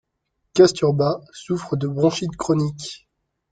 Kasturba souffre de bronchite chronique.